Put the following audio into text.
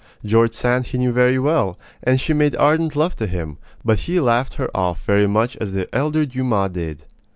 George Sand he knew very well, and she made ardent love to him; but he laughed her off very much as the elder Dumas did.